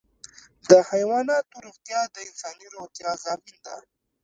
د حیواناتو روغتیا د انساني روغتیا ضامن ده.